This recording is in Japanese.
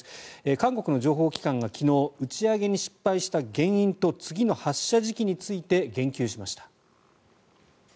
韓国の情報機関が昨日打ち上げに失敗した原因と次の発射時期について言及しました。